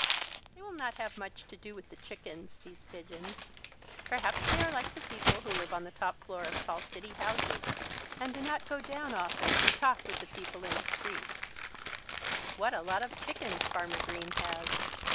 They will not have much to do with the chickens, these pigeons. Perhaps they are like the people who live on the top floor of tall city houses and do not go down often to talk with the people in the streets. What a lot of chickens Farmer Green has!